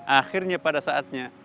akhirnya pada saatnya